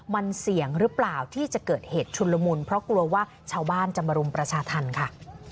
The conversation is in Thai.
มันเสี่ยงหรือเปล่าที่จะเกิดเหตุชุนละมุนเพราะกลัวว่าชาวบ้านจะมารุมประชาธรรมค่ะ